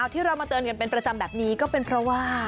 ที่เรามาเตือนกันเป็นประจำแบบนี้ก็เป็นเพราะว่า